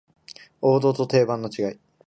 王道と定番の違い